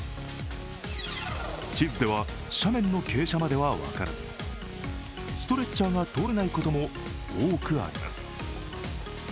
地図では斜面の傾斜までは分からずストレッチャーが通れないことも多くあります。